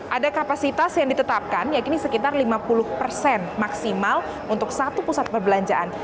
ada kapasitas yang ditetapkan yakni sekitar lima puluh persen maksimal untuk satu pusat perbelanjaan